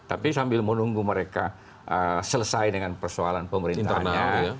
tapi sambil menunggu mereka selesai dengan persoalan pemerintahnya